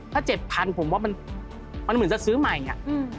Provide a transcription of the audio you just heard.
ถ้า๗๐๐ผมว่ามันเหมือนจะซื้อใหม่อะ